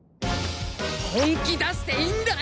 本気出していいんだな！